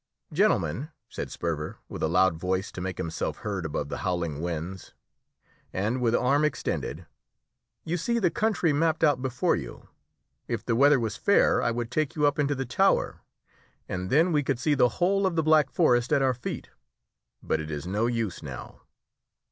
"Gentlemen," said Sperver with a loud voice to make himself heard above the howling winds, and with arm extended, "you see the country mapped out before you. If the weather was fair I would take you up into the tower, and then we could see the whole of the Black Forest at our feet, but it is no use now.